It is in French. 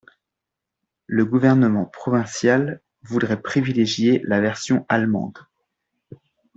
Le gouvernement provincial voudrait privilégier la version allemande.